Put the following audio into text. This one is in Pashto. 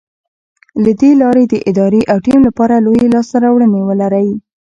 له دې لارې د ادارې او ټيم لپاره لویې لاسته راوړنې ولرئ.